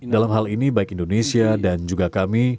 dalam hal ini baik indonesia dan juga kami